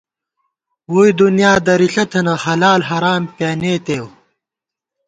ووئی دُنیا درِݪہ تھنہ ، حلال حرام پیانېتېؤ